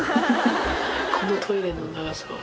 このトイレの長さは。